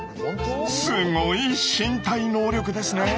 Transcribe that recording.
すごい身体能力ですね。